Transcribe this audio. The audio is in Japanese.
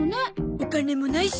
お金もないし。